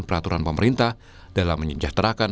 peraturan pemerintah dalam menyejahterakan